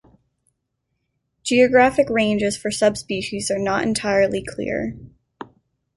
Geographic ranges for subspecies are not entirely clear.